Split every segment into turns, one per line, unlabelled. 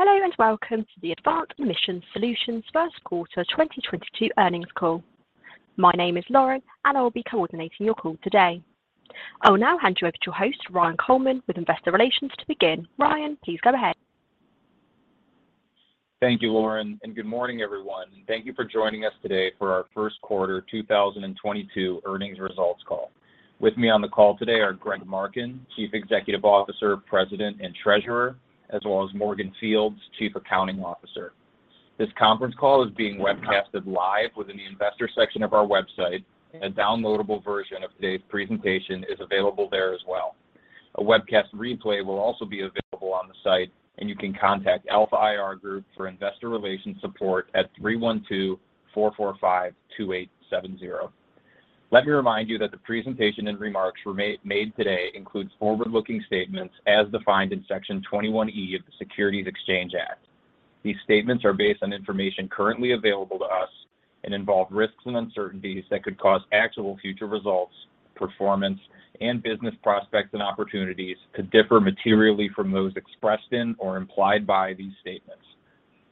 Hello and welcome to the Advanced Emissions Solutions first quarter 2022 earnings call. My name is Lauren, and I will be coordinating your call today. I will now hand you over to your host, Ryan Coleman, with Investor Relations to begin. Ryan, please go ahead.
Thank you, Lauren, and good morning, everyone. Thank you for joining us today for our first quarter 2022 earnings results call. With me on the call today are Greg Marken, Chief Executive Officer, President, and Treasurer, as well as Morgan Fields, Chief Accounting Officer. This conference call is being webcasted live within the investor section of our website. A downloadable version of today's presentation is available there as well. A webcast replay will also be available on the site, and you can contact Alpha IR Group for investor relations support at 312-445-2870. Let me remind you that the presentation and remarks made today includes forward-looking statements as defined in Section 21E of the Securities Exchange Act. These statements are based on information currently available to us and involve risks and uncertainties that could cause actual future results, performance, and business prospects and opportunities to differ materially from those expressed in or implied by these statements.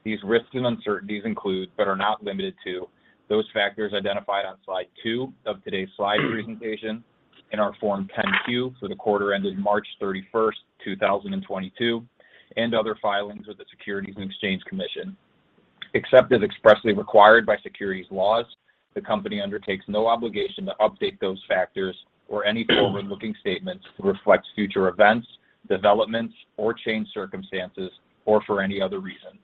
These risks and uncertainties include, but are not limited to, those factors identified on slide 2 of today's slide presentation in our Form 10-Q for the quarter ended March 31, 2022 and other filings with the Securities and Exchange Commission. Except as expressly required by securities laws, the company undertakes no obligation to update those factors or any forward-looking statements to reflect future events, developments or changed circumstances or for any other reason.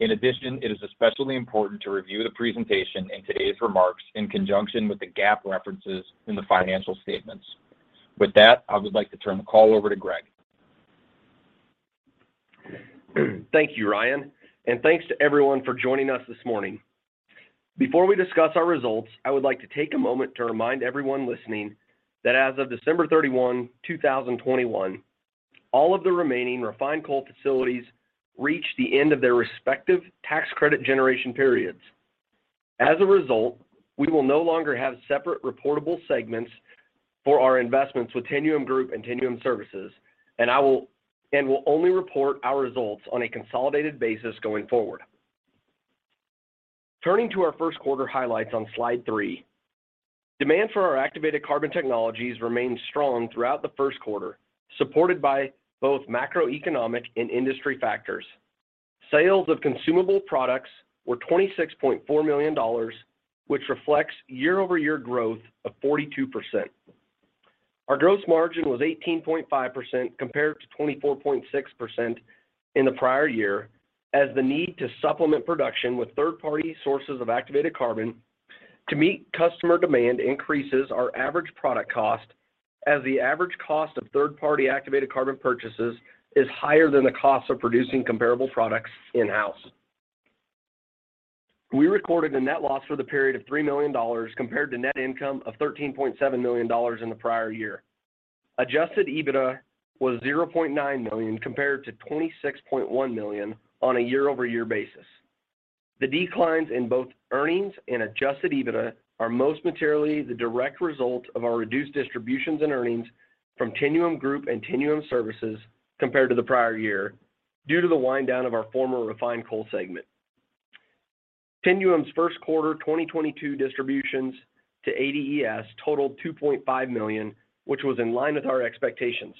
In addition, it is especially important to review the presentation in today's remarks in conjunction with the GAAP references in the financial statements. With that, I would like to turn the call over to Greg.
Thank you, Ryan, and thanks to everyone for joining us this morning. Before we discuss our results, I would like to take a moment to remind everyone listening that as of December 31, 2021, all of the remaining refined coal facilities reached the end of their respective tax credit generation periods. As a result, we will no longer have separate reportable segments for our investments with Tinuum Group and Tinuum Services, and will only report our results on a consolidated basis going forward. Turning to our first quarter highlights on slide 3. Demand for our activated carbon technologies remained strong throughout the first quarter, supported by both macroeconomic and industry factors. Sales of consumable products were $26.4 million, which reflects year-over-year growth of 42%. Our gross margin was 18.5% compared to 24.6% in the prior year as the need to supplement production with third-party sources of activated carbon to meet customer demand increases our average product cost as the average cost of third-party activated carbon purchases is higher than the cost of producing comparable products in-house. We recorded a net loss for the period of $3 million compared to net income of $13.7 million in the prior year. Adjusted EBITDA was $0.9 million compared to $26.1 million on a year-over-year basis. The declines in both earnings and adjusted EBITDA are most materially the direct result of our reduced distributions and earnings from Tinuum Group and Tinuum Services compared to the prior year due to the wind down of our former refined coal segment. Tinuum's first quarter 2022 distributions to ADES totaled $2.5 million, which was in line with our expectations.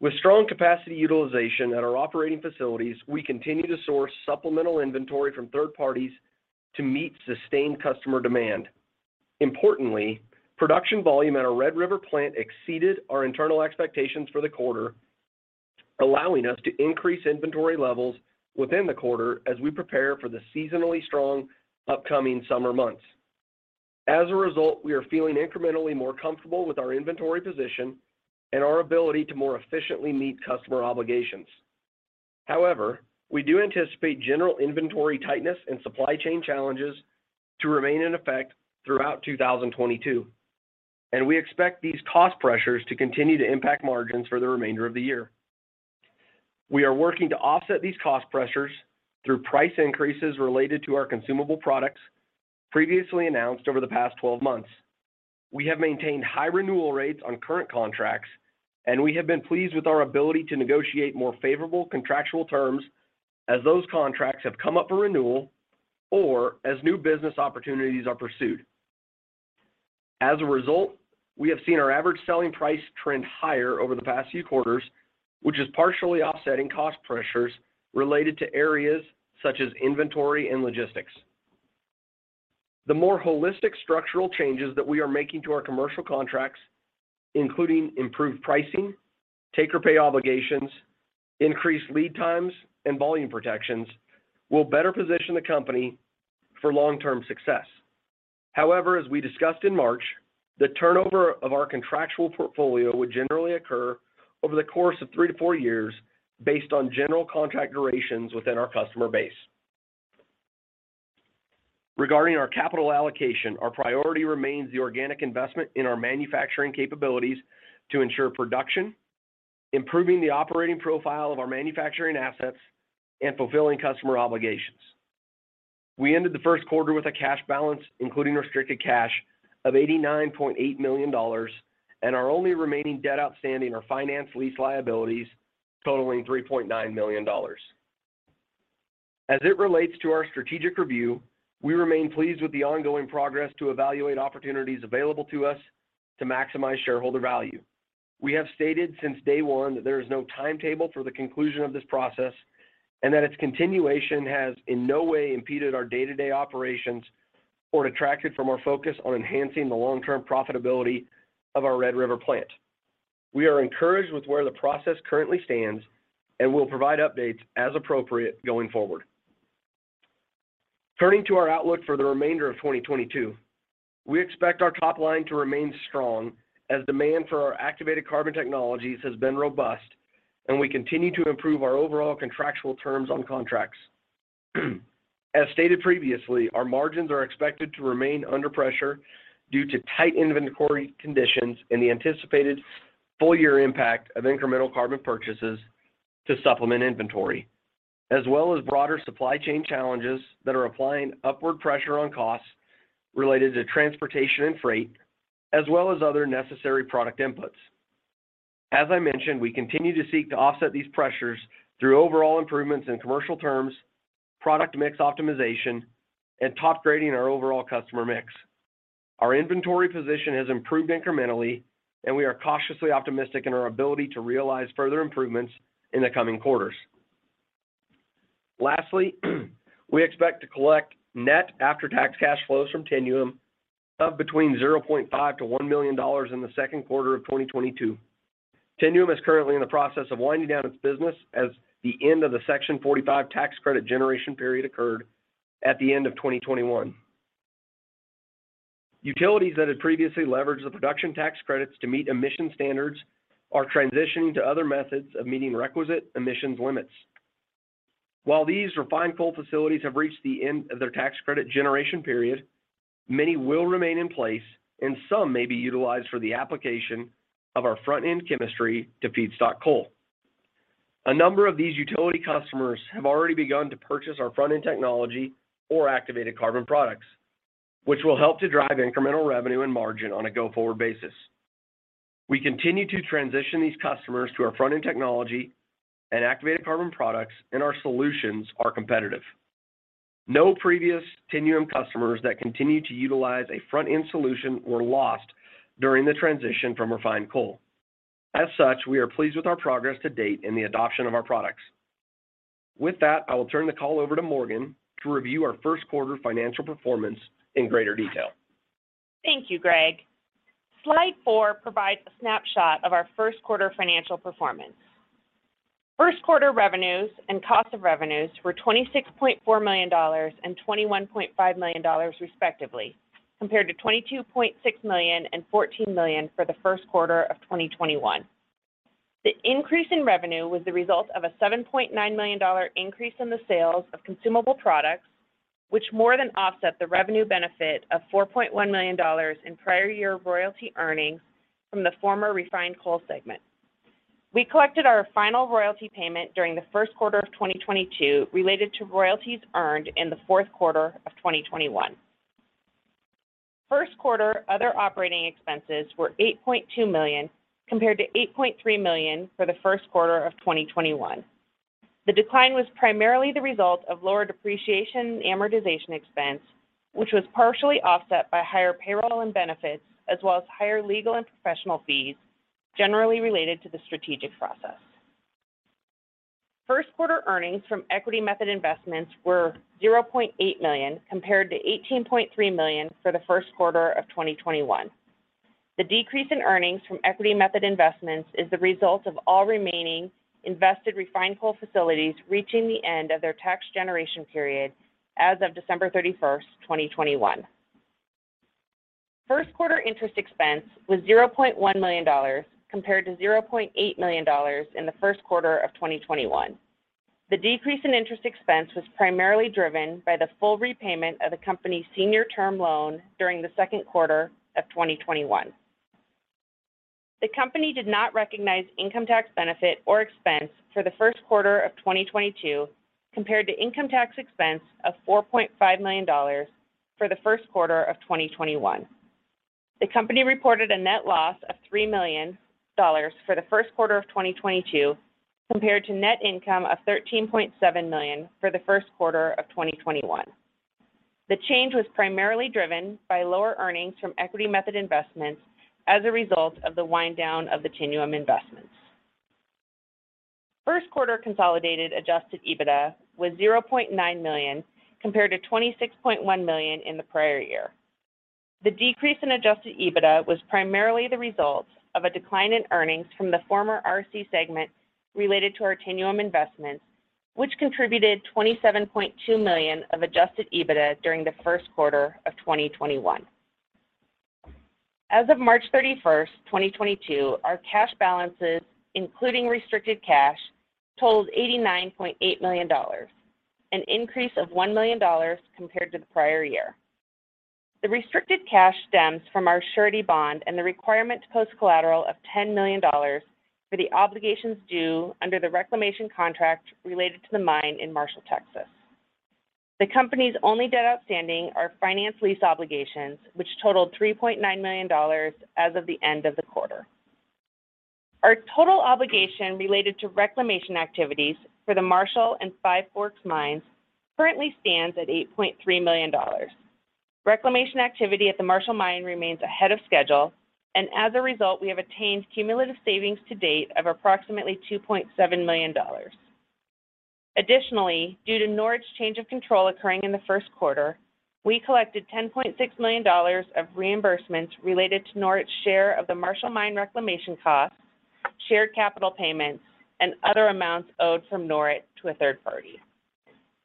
With strong capacity utilization at our operating facilities, we continue to source supplemental inventory from third parties to meet sustained customer demand. Importantly, production volume at our Red River plant exceeded our internal expectations for the quarter, allowing us to increase inventory levels within the quarter as we prepare for the seasonally strong upcoming summer months. As a result, we are feeling incrementally more comfortable with our inventory position and our ability to more efficiently meet customer obligations. However, we do anticipate general inventory tightness and supply chain challenges to remain in effect throughout 2022, and we expect these cost pressures to continue to impact margins for the remainder of the year. We are working to offset these cost pressures through price increases related to our consumable products previously announced over the past twelve months. We have maintained high renewal rates on current contracts, and we have been pleased with our ability to negotiate more favorable contractual terms as those contracts have come up for renewal or as new business opportunities are pursued. As a result, we have seen our average selling price trend higher over the past few quarters, which is partially offsetting cost pressures related to areas such as inventory and logistics. The more holistic structural changes that we are making to our commercial contracts, including improved pricing, take-or-pay obligations, increased lead times, and volume protections, will better position the company for long-term success. However, as we discussed in March, the turnover of our contractual portfolio would generally occur over the course of 3-4 years based on general contract durations within our customer base. Regarding our capital allocation, our priority remains the organic investment in our manufacturing capabilities to ensure production, improving the operating profile of our manufacturing assets, and fulfilling customer obligations. We ended the first quarter with a cash balance, including restricted cash of $89.8 million and our only remaining debt outstanding are finance lease liabilities totaling $3.9 million. As it relates to our strategic review, we remain pleased with the ongoing progress to evaluate opportunities available to us to maximize shareholder value. We have stated since day one that there is no timetable for the conclusion of this process and that its continuation has in no way impeded our day-to-day operations or detracted from our focus on enhancing the long-term profitability of our Red River plant. We are encouraged with where the process currently stands and will provide updates as appropriate going forward. Turning to our outlook for the remainder of 2022, we expect our top line to remain strong as demand for our activated carbon technologies has been robust, and we continue to improve our overall contractual terms on contracts. As stated previously, our margins are expected to remain under pressure due to tight inventory conditions and the anticipated full year impact of incremental carbon purchases to supplement inventory. Broader supply chain challenges that are applying upward pressure on costs related to transportation and freight, as well as other necessary product inputs. As I mentioned, we continue to seek to offset these pressures through overall improvements in commercial terms, product mix optimization, and top grading our overall customer mix. Our inventory position has improved incrementally, and we are cautiously optimistic in our ability to realize further improvements in the coming quarters. Lastly, we expect to collect net after-tax cash flows from Tinuum of between $0.5 million-$1 million in the second quarter of 2022. Tinuum is currently in the process of winding down its business as the end of the Section 45 tax credit generation period occurred at the end of 2021. Utilities that had previously leveraged the production tax credits to meet emission standards are transitioning to other methods of meeting requisite emissions limits. While these refined coal facilities have reached the end of their tax credit generation period, many will remain in place, and some may be utilized for the application of our front-end chemistry to feedstock coal. A number of these utility customers have already begun to purchase our front-end technology or activated carbon products, which will help to drive incremental revenue and margin on a go-forward basis. We continue to transition these customers to our front-end technology and activated carbon products, and our solutions are competitive. No previous Tinuum customers that continue to utilize a front-end solution were lost during the transition from refined coal. As such, we are pleased with our progress to date in the adoption of our products. With that, I will turn the call over to Morgan to review our first quarter financial performance in greater detail.
Thank you, Greg. Slide four provides a snapshot of our first quarter financial performance. First quarter revenues and cost of revenues were $26.4 million and $21.5 million respectively, compared to $22.6 million and $14 million for the first quarter of 2021. The increase in revenue was the result of a $7.9 million increase in the sales of consumable products, which more than offset the revenue benefit of $4.1 million in prior year royalty earnings from the former refined coal segment. We collected our final royalty payment during the first quarter of 2022 related to royalties earned in the fourth quarter of 2021. First quarter other operating expenses were $8.2 million compared to $8.3 million for the first quarter of 2021. The decline was primarily the result of lower depreciation and amortization expense, which was partially offset by higher payroll and benefits, as well as higher legal and professional fees, generally related to the strategic process. First quarter earnings from equity method investments were $0.8 million compared to $18.3 million for the first quarter of 2021. The decrease in earnings from equity method investments is the result of all remaining invested refined coal facilities reaching the end of their tax generation period as of December 31, 2021. First quarter interest expense was $0.1 million compared to $0.8 million in the first quarter of 2021. The decrease in interest expense was primarily driven by the full repayment of the company's senior term loan during the second quarter of 2021. The company did not recognize income tax benefit or expense for the first quarter of 2022 compared to income tax expense of $4.5 million for the first quarter of 2021. The company reported a net loss of $3 million for the first quarter of 2022 compared to net income of $13.7 million for the first quarter of 2021. The change was primarily driven by lower earnings from equity method investments as a result of the wind down of the Tinuum investments. First quarter consolidated Adjusted EBITDA was $0.9 million compared to $26.1 million in the prior year. The decrease in Adjusted EBITDA was primarily the result of a decline in earnings from the former RC segment related to our Tinuum investments, which contributed $27.2 million of Adjusted EBITDA during the first quarter of 2021. As of March 31, 2022, our cash balances, including restricted cash, totaled $89.8 million, an increase of $1 million compared to the prior year. The restricted cash stems from our surety bond and the requirement to post collateral of $10 million for the obligations due under the reclamation contract related to the mine in Marshall, Texas. The company's only debt outstanding are finance lease obligations, which totaled $3.9 million as of the end of the quarter. Our total obligation related to reclamation activities for the Marshall and Five Forks mines currently stands at $8.3 million. Reclamation activity at the Marshall mine remains ahead of schedule, and as a result, we have attained cumulative savings to date of approximately $2.7 million. Additionally, due to Norit's change of control occurring in the first quarter, we collected $10.6 million of reimbursements related to Norit's share of the Marshall mine reclamation costs, shared capital payments, and other amounts owed from Norit to a third party.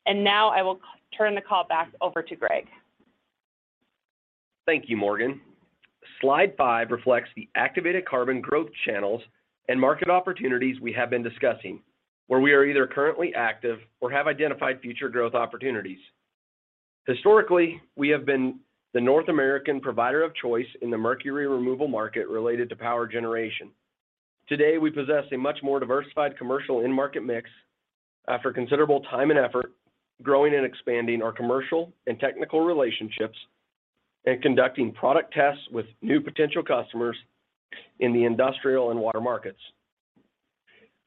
Now I will turn the call back over to Greg.
Thank you, Morgan. Slide 5 reflects the activated carbon growth channels and market opportunities we have been discussing, where we are either currently active or have identified future growth opportunities. Historically, we have been the North American provider of choice in the mercury removal market related to power generation. Today, we possess a much more diversified commercial end market mix after considerable time and effort growing and expanding our commercial and technical relationships and conducting product tests with new potential customers in the industrial and water markets.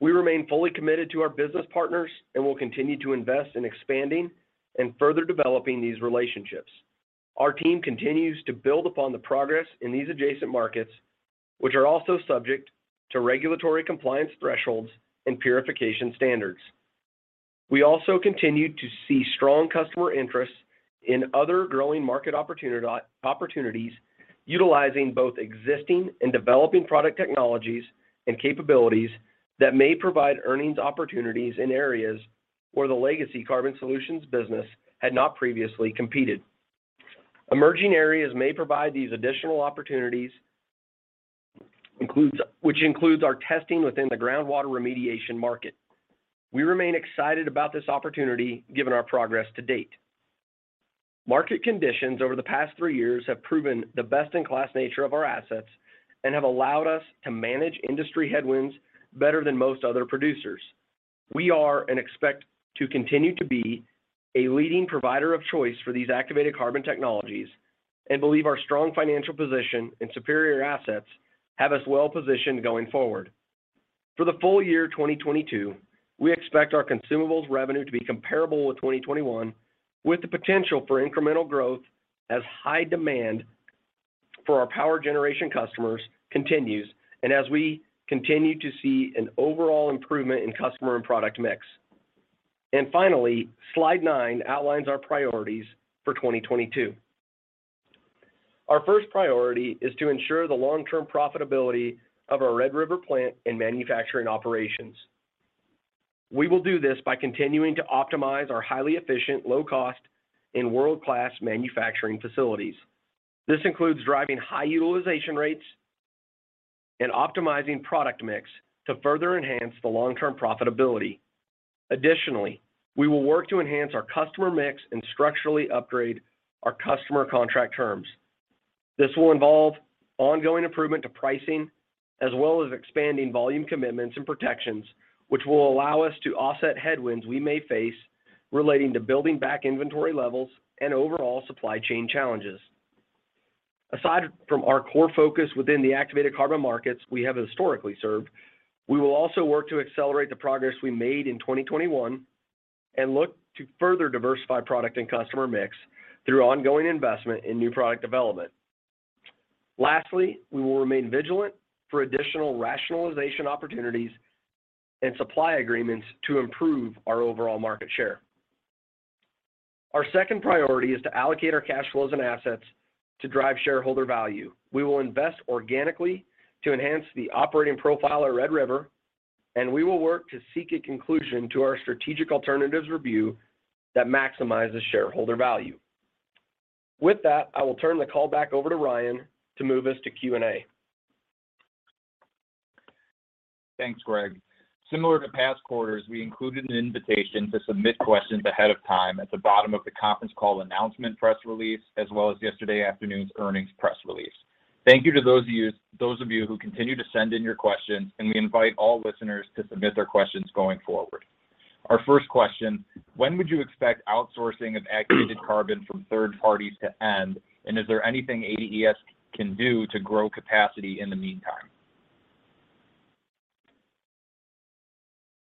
We remain fully committed to our business partners and will continue to invest in expanding and further developing these relationships. Our team continues to build upon the progress in these adjacent markets, which are also subject to regulatory compliance thresholds and purification standards. We also continue to see strong customer interest in other growing market opportunities utilizing both existing and developing product technologies and capabilities that may provide earnings opportunities in areas where the legacy Carbon Solutions business had not previously competed. Emerging areas may provide these additional opportunities which includes our testing within the groundwater remediation market. We remain excited about this opportunity given our progress to date. Market conditions over the past three years have proven the best-in-class nature of our assets and have allowed us to manage industry headwinds better than most other producers. We are and expect to continue to be a leading provider of choice for these activated carbon technologies and believe our strong financial position and superior assets have us well positioned going forward. For the full year 2022, we expect our consumables revenue to be comparable with 2021, with the potential for incremental growth as high demand for our power generation customers continues and as we continue to see an overall improvement in customer and product mix. Finally, slide 9 outlines our priorities for 2022. Our first priority is to ensure the long-term profitability of our Red River plant and manufacturing operations. We will do this by continuing to optimize our highly efficient, low cost, and world-class manufacturing facilities. This includes driving high utilization rates and optimizing product mix to further enhance the long-term profitability. Additionally, we will work to enhance our customer mix and structurally upgrade our customer contract terms. This will involve ongoing improvement to pricing as well as expanding volume commitments and protections, which will allow us to offset headwinds we may face relating to building back inventory levels and overall supply chain challenges. Aside from our core focus within the activated carbon markets we have historically served, we will also work to accelerate the progress we made in 2021 and look to further diversify product and customer mix through ongoing investment in new product development. Lastly, we will remain vigilant for additional rationalization opportunities and supply agreements to improve our overall market share. Our second priority is to allocate our cash flows and assets to drive shareholder value. We will invest organically to enhance the operating profile at Red River, and we will work to seek a conclusion to our strategic alternatives review that maximizes shareholder value. With that, I will turn the call back over to Ryan to move us to Q&A.
Thanks, Greg. Similar to past quarters, we included an invitation to submit questions ahead of time at the bottom of the conference call announcement press release, as well as yesterday afternoon's earnings press release. Thank you to those of you who continue to send in your questions, and we invite all listeners to submit their questions going forward. Our first question: When would you expect outsourcing of activated carbon from third parties to end, and is there anything ADES can do to grow capacity in the meantime?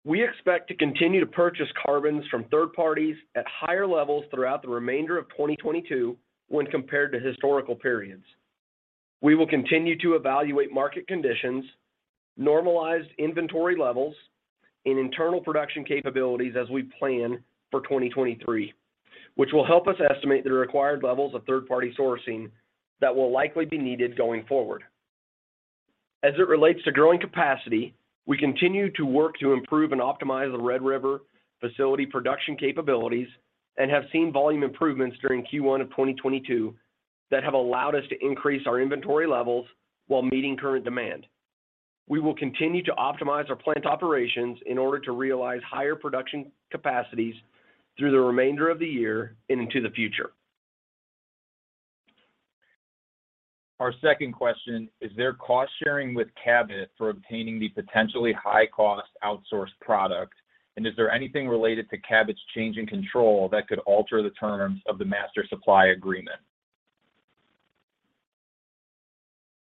We expect to continue to purchase carbons from third parties at higher levels throughout the remainder of 2022 when compared to historical periods. We will continue to evaluate market conditions, normalized inventory levels, and internal production capabilities as we plan for 2023, which will help us estimate the required levels of third-party sourcing that will likely be needed going forward. As it relates to growing capacity, we continue to work to improve and optimize the Red River facility production capabilities and have seen volume improvements during Q1 of 2022 that have allowed us to increase our inventory levels while meeting current demand. We will continue to optimize our plant operations in order to realize higher production capacities through the remainder of the year and into the future.
Our second question: Is there cost-sharing with Cabot for obtaining the potentially high-cost outsourced product? Is there anything related to Cabot's change in control that could alter the terms of the master supply agreement?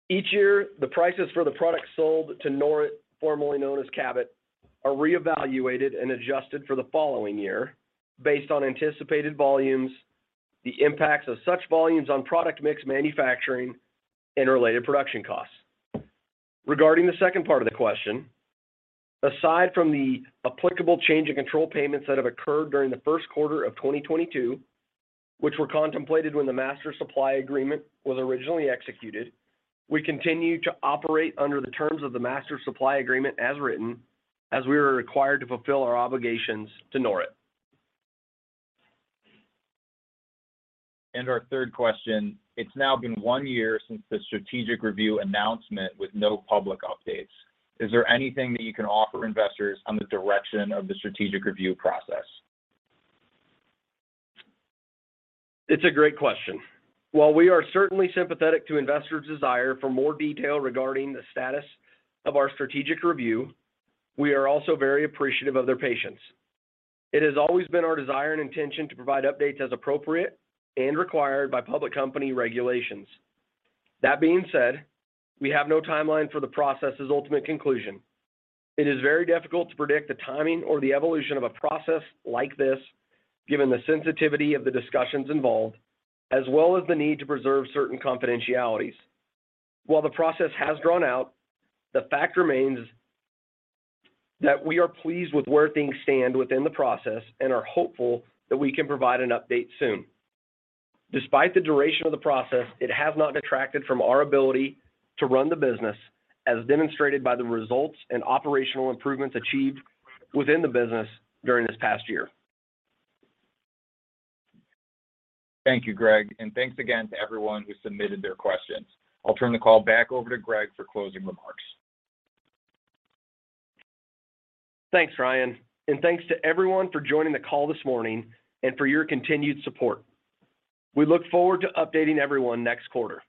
Each year, the prices for the products sold to Norit, formerly known as Cabot, are reevaluated and adjusted for the following year based on anticipated volumes, the impacts of such volumes on product mix manufacturing, and related production costs. Regarding the second part of the question, aside from the applicable change in control payments that have occurred during the first quarter of 2022, which were contemplated when the master supply agreement was originally executed, we continue to operate under the terms of the master supply agreement as written, as we were required to fulfill our obligations to Norit.
Our third question: It's now been 1 year since the strategic review announcement with no public updates. Is there anything that you can offer investors on the direction of the strategic review process?
It's a great question. While we are certainly sympathetic to investors' desire for more detail regarding the status of our strategic review, we are also very appreciative of their patience. It has always been our desire and intention to provide updates as appropriate and required by public company regulations. That being said, we have no timeline for the process's ultimate conclusion. It is very difficult to predict the timing or the evolution of a process like this, given the sensitivity of the discussions involved, as well as the need to preserve certain confidentialities. While the process has drawn out, the fact remains that we are pleased with where things stand within the process and are hopeful that we can provide an update soon. Despite the duration of the process, it has not detracted from our ability to run the business, as demonstrated by the results and operational improvements achieved within the business during this past year.
Thank you, Greg, and thanks again to everyone who submitted their questions. I'll turn the call back over to Greg for closing remarks.
Thanks, Ryan, and thanks to everyone for joining the call this morning and for your continued support. We look forward to updating everyone next quarter.